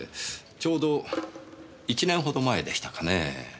ちょうど１年ほど前でしたかねぇ。